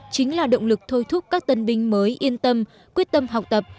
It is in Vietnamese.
chính là động lực thôi thúc các tân binh mới yên tâm quyết tâm học tập